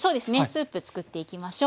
スープ作っていきましょう。